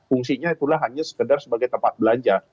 fungsinya itulah hanya sekedar sebagai tempat belanja